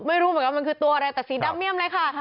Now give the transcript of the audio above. ไม่รู้เหมือนกันมันคือตัวอะไรแต่สีดำเมี่ยมเลยค่ะ